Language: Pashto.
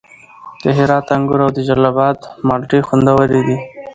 د هرات انګور او د جلال اباد مالټې خوندورې دي.